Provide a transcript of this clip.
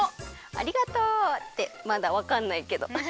ありがとう！ってまだわかんないけど。